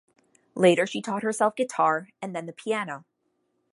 Later she taught herself guitar, and then the piano.